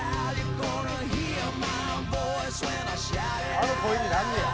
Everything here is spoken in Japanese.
「あの声になんねや」